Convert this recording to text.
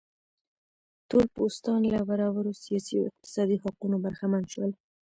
تور پوستان له برابرو سیاسي او اقتصادي حقونو برخمن شول.